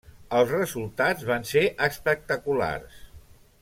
Els resultats van ser espectaculars.